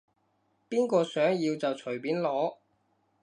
邊個想要就隨便攞